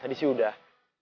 tadi sih udah